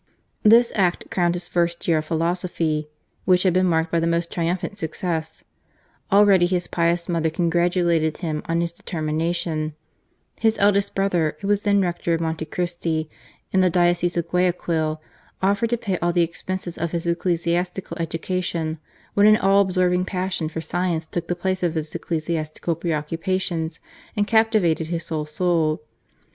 This act crowned his first year of philosophy, which had been marked by the most triumphant success. Already his pious mother congratulated him on his determination ; his eldest brother, who was then Rector of Monte Christi, in the Diocese of Guayaquil, offered to pay all the expenses of his ecclesiastical education, when an all absorbing passion for science took the place of his ecclesiastical pre occupations, and captivated his whole soul.